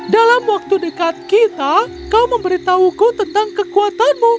dalam waktu dekat kita kau memberitahuku tentang kekuatanmu